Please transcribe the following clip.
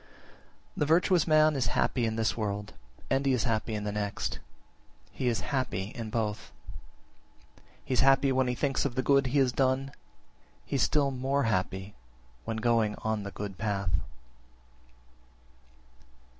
18. The virtuous man is happy in this world, and he is happy in the next; he is happy in both. He is happy when he thinks of the good he has done; he is still more happy when going on the good path.